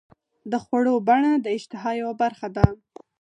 د خوړو بڼه د اشتها یوه برخه ده.